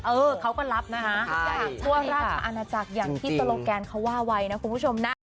เออเขาก็รับนะคะทั่วราชอาณาจักรอย่างที่โลแกนเขาว่าไว้นะคุณผู้ชมนะ